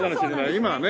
今はね